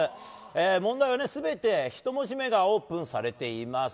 問題は全て１文字目がオープンされております。